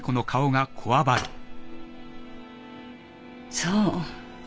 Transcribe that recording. そう。